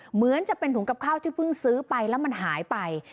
เหมือนจะเป็นถุงกับข้าวที่เพิ่งซื้อไปแล้วมันหายไป